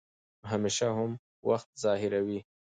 نو همېشه هم وخت ظاهروي